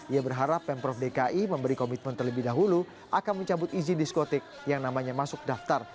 ia berharap pemprov dki memberi komitmen terlebih dahulu akan mencabut izin diskotik yang namanya masuk daftar